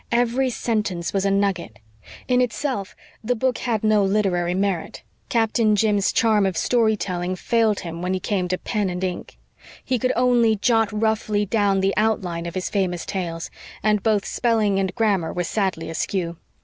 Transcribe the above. Every sentence was a nugget. In itself the book had no literary merit; Captain Jim's charm of storytelling failed him when he came to pen and ink; he could only jot roughly down the outline of his famous tales, and both spelling and grammar were sadly askew.